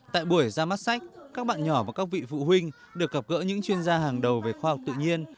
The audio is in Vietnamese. tại buổi ra mắt sách các bạn nhỏ và các vị phụ huynh được gặp gỡ những chuyên gia hàng đầu về khoa học tự nhiên